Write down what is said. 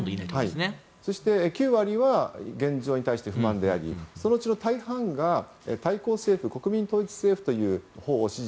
そして９割は現状に対して不満であり、そのうち大半が対抗政府国民統一政府というほうを支持